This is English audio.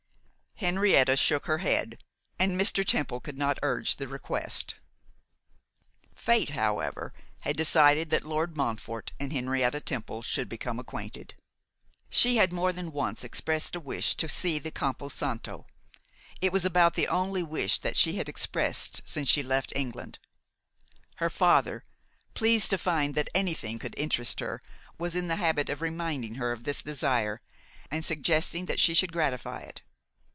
Henrietta shook her head; and Mr. Temple could not urge the request. Fate, however, had decided that Lord Montfort and Henrietta Temple should become acquainted. She had more than once expressed a wish to see the Campo Santo; it was almost the only wish that she had expressed since she left England. Her father, pleased to find that anything could interest her, was in the habit of reminding her of this desire, and suggesting that she should gratify it.